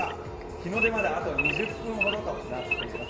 日の出まであと２０分ほどとなっています。